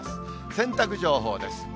洗濯情報です。